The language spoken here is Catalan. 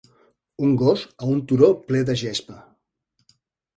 Un gos a un turó ple de gespa.